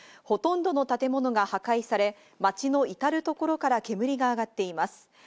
ほとんどの建物が破壊され、町のいたるところから煙が上がっています。